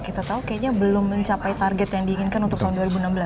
kita tahu kayaknya belum mencapai target yang diinginkan untuk tahun dua ribu enam belas